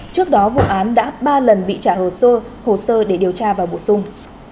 trước đó vụ án đã ba lần bị trả hồ sơ để điều tra và bổ sung